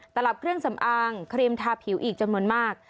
ตลับเครื่องสำอางครีมทาผิวอีกจำนวนมาก